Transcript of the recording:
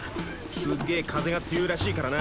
すっげえ風が強いらしいからな。